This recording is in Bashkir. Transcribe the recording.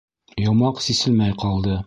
Йомаҡ сиселмәй ҡалды.